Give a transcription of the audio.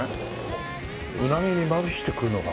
うなぎにまぶして食うのかな？